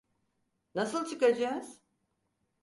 Nasıl çıkacağız?